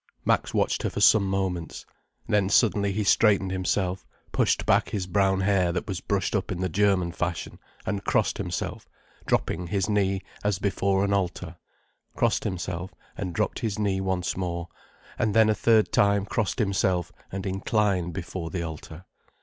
Max watched her for some moments. Then suddenly he straightened himself, pushed back his brown hair that was brushed up in the German fashion, and crossed himself, dropping his knee as before an altar; crossed himself and dropped his knee once more; and then a third time crossed himself and inclined before the altar.